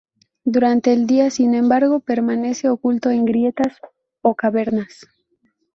Durante el día, sin embargo, permanece oculto en grietas o cavernas.